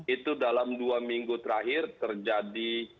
itu dalam dua minggu terakhir terjadi